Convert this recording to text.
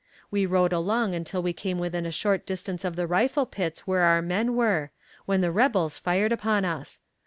We rode along until we came within a short distance of the rifle pits where our men were, when the rebels fired upon us.